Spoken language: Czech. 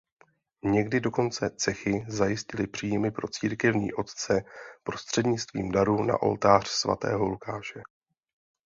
Někdy dokonce cechy zajistily příjmy pro církevní otce prostřednictvím darů na oltář Svatého Lukáše.